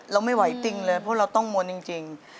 เราไม่ไหวติ้งเลยเพราะเราต้องมวลจริง